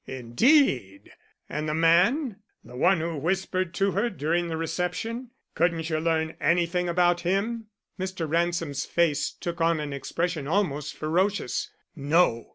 "Indeed! and the man, the one who whispered to her during the reception, couldn't you learn anything about him?" Mr. Ransom's face took on an expression almost ferocious. "No.